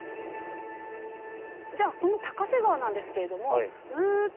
じゃあこの高瀬川なんですけれどもん？